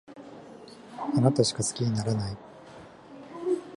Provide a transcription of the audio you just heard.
あなたしか好きにならない